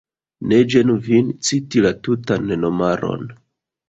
Ne ĝenu vin citi la tutan nomaron.